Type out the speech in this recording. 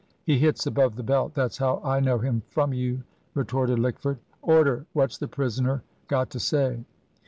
"He hits above the belt, that's how I know him from you," retorted Lickford. "Order what's the prisoner got to say!"